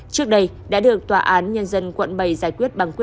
trước đây đã được tòa án nhân dân quận bảy giải quyết bằng quyền